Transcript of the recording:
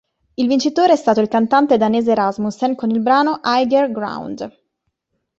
Il vincitore è stato il cantante danese Rasmussen con il brano "Higher Ground".